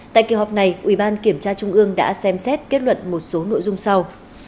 tại kỳ họp này ủy ban kiểm tra trung ương đã xem xét kết luận một số nội dung sau